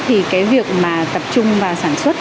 thì cái việc mà tập trung và sản xuất